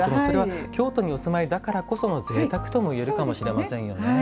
京都にお住まいだからこそのぜいたくともいえるかもしれませんよね。